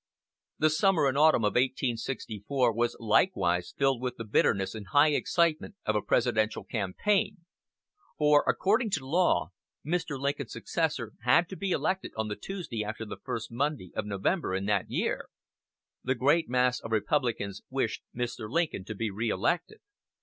The summer and autumn of 1864 were likewise filled with the bitterness and high excitement of a presidential campaign; for, according to law, Mr. Lincoln's successor had to be elected on the "Tuesday after the first Monday" of November in that year. The great mass of Republicans wished Mr. Lincoln to be reelected.